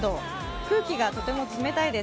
空気がとても冷たいです。